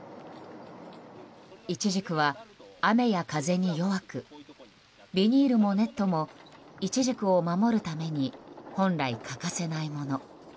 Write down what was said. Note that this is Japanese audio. イチジクは雨や風に弱くビニールもネットもイチジクを守るために本来欠かせないもの。